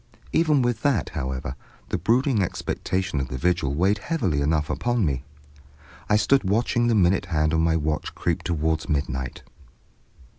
Even with that, however, the brooding expectation of the vigil weighed heavily enough upon me. I stood watching the minute hand of my watch creep towards midnight.